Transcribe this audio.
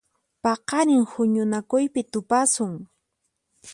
Paqarin huñunakuypi tupasun.